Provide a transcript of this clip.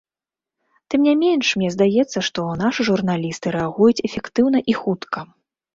Тым не менш, мне здаецца, што нашы журналісты рэагуюць эфектыўна і хутка.